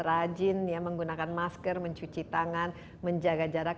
rajin menggunakan masker mencuci tangan menjaga jarak